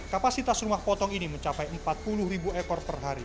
kapasitas rumah potong ini mencapai empat puluh ribu ekor per hari